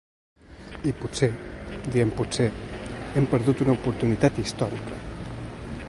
I potser, diem potser, hem perdut una oportunitat històrica.